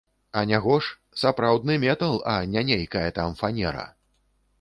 Анягож, сапраўдны метал, а не нейкая там фанера!